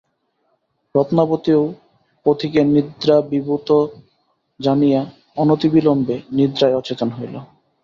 রত্নাবতীও পতিকে নিদ্রাভিভূত জানিয়া অনতিবিলম্বে নিদ্রায় অচেতন হইল।